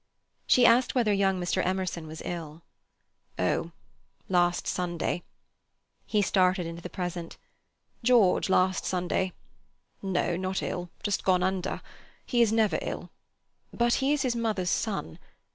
She asked whether young Mr. Emerson was ill. "Oh—last Sunday." He started into the present. "George last Sunday—no, not ill: just gone under. He is never ill. But he is his mother's son.